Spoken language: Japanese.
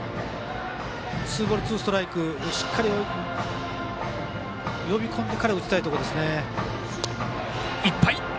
ツーボール、ツーストライクでしっかり呼び込んでから打ちたいですね。